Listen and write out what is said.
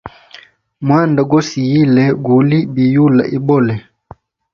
Mwanda go siyile, guli bi yula ibole.